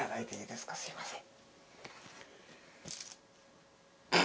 すいません。